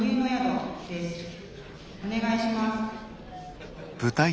お願いします。